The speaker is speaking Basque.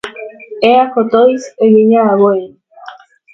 Ea kotoiz egina dagoen.